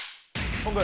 本部！